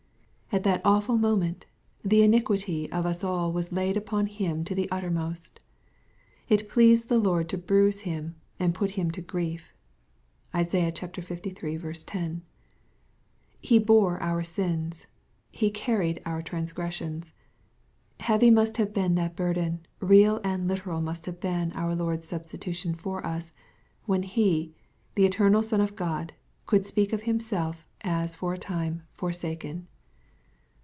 At that awlul moment, the ini quity of us all was laid upon Him to the uttermost. It pleased the Lord to bruise Him, and put Him to grie£ (Isaiah liii. 10.) He bore our sins. He carried our transgressions. Heavy must have been that burden, real and literal must have been our Lord's substitution for us, when He, the eternal Son of God, could speak of Himself as for a time ^' forsaken."